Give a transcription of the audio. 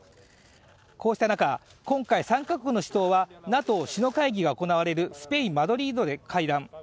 こうした中、今回３カ国の首脳は、ＮＡＴＯ首脳会議が行われるスペイン・マドリードで会談。